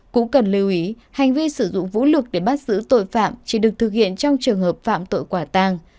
cũng cần lưu ý hành vi sử dụng vũ lực để bắt giữ tội phạm chỉ được thực hiện trong trường hợp phạm tội quả tàng